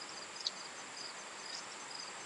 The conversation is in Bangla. দুঃখিত, জিম্বো, আমি-আমি এইভাবে বলতে চাইনি।